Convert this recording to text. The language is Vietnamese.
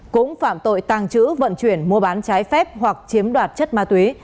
cũng phạm tội tàng trữ vận chuyển mua bán trái phép hoặc chiếm đoạt chất ma túy